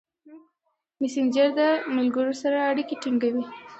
مسېنجر د ملګرو سره اړیکې ټینګوي.